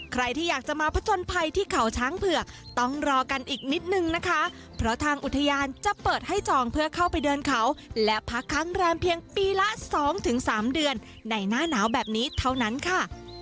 ใครที่อยากจะมาผจญภัยที่เขาช้างเผือกต้องรอกันอีกนิดนึงนะคะเพราะทางอุทยานจะเปิดให้จองเพื่อเข้าไปเดินเขาและพักค้างแรมเพียงปีละสองถึงสามเดือนในหน้าหนาวแบบนี้เท่านั้นค่ะ